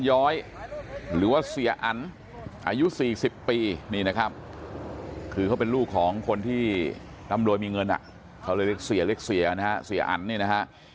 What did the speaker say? ย้อยหรือว่าเสียอันอายุ๔๐ปีนี่นะครับคือเขาเป็นลูกของคนที่ร่ำรวยมีเงินเขาเลยเรียกเสียเล็กเสียนะฮะเสียอันเนี่ยนะฮะ